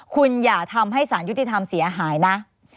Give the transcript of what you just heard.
คุณอย่าทำให้สารยุติธรรมเสียหายนะ